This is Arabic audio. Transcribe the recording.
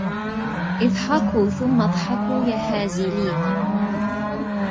اضحكوا ثم اضحكوا يا هازلين